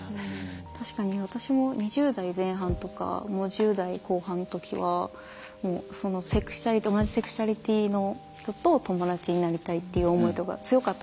確かに私も２０代前半とかもう１０代後半の時はもうセクシュアリティー同じセクシュアリティーの人と友達になりたいっていう思いとか強かったんですよ。